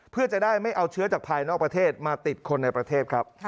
เพื่อจะได้ไม่เอาเชื้อจากภายนอกประเทศมาติดคนในประเทศครับ